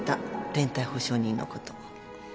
連帯保証人のこ